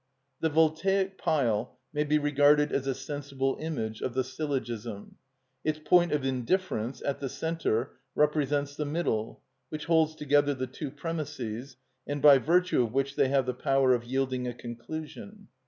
The voltaic pile may be regarded as a sensible image of the syllogism. Its point of indifference, at the centre, represents the middle, which holds together the two premisses, and by virtue of which they have the power of yielding a conclusion.